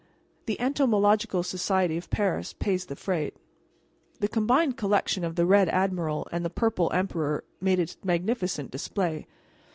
The Entomological Society of Paris pays the freight." The combined collection of the Red Admiral and the Purple Emperor made a magnificent display.